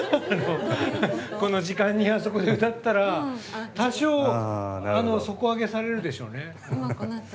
この時間に、あそこで歌ったら多少、底上げされるでしょうね。